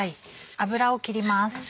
脂を切ります。